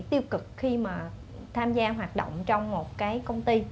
tiêu cực khi mà tham gia hoạt động trong một cái công ty